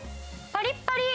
パリッパリ！